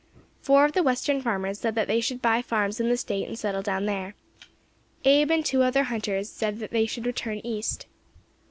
Four of the western farmers said that they should buy farms in the State and settle down there. Abe, and two other hunters, said they should return east.